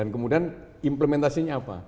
kemudian implementasinya apa